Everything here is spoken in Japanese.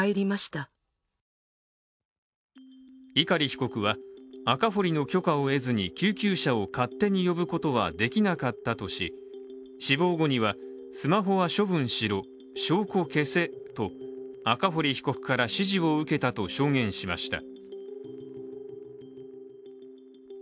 碇被告は、赤堀の許可を得ずに救急車を勝手に呼ぶことはできなかったとし死亡後にはスマホは処分しろ証拠消せと赤堀被告から指示を受けたと証言しました。